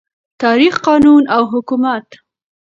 تاریخ، قانون او حکومت